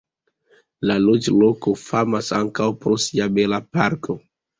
La loĝloko famas ankaŭ pro sia bela parko.